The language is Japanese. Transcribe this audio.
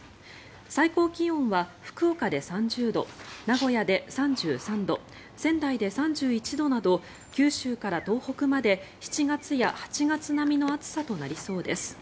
最高気温は福岡で３０度名古屋で３３度仙台で３１度など九州から東北まで７月や８月並みの暑さとなりそうです。